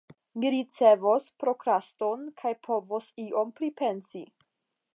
Mi ricevos prokraston, kaj povos iom pripensi.